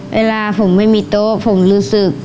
เวลาผมไม่มีโต๊ะผมรู้สึก